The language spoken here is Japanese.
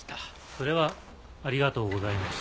それはありがとうございます。